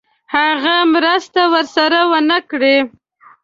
هغه مرستې ورسره ونه کړې.